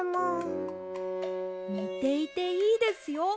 ねていていいですよ。